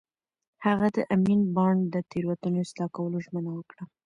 هغه د امین بانډ د تېروتنو اصلاح کولو ژمنه وکړه.